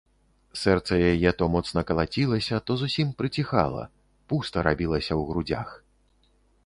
Сэрца яе то моцна калацілася, то зусім прыціхала, пуста рабілася ў грудзях.